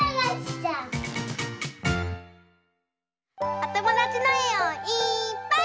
おともだちのえをいっぱい。